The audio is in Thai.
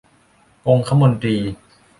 องคมนตรี